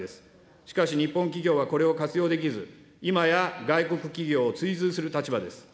しかし日本企業はこれを活用できず、今や外国企業を追随する立場です。